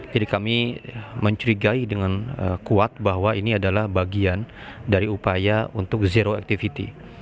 jadi kami mencurigai dengan kuat bahwa ini adalah bagian dari upaya untuk zero activity